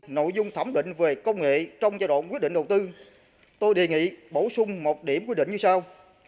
nội dung thẩm định về công nghệ trong giai đoạn quyết định đầu tư tôi đề nghị bổ sung một điểm quy định như sau